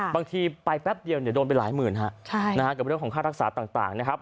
บางทีไปแป๊บเดียวโดนไปหลายหมื่นฮะกับเรื่องของค่ารักษาต่างนะครับ